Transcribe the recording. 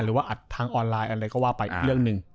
หรือว่าอัดทางออนไลน์อะไรก็ว่าไปอีกเรื่องหนึ่ง